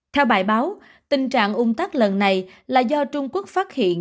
theo bài báo tình trạng ung tắc lần này là do trung quốc phát hiện